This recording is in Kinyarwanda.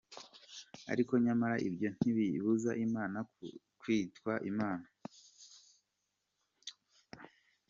Ariko nyamara ibyo ntibibuza Imana kwitwa Imana.